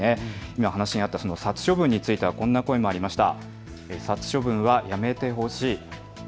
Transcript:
今、話にあった殺処分についてはこういった声もありました。